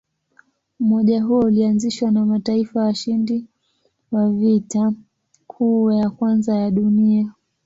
Umoja huo ulianzishwa na mataifa washindi wa Vita Kuu ya Kwanza ya Dunia.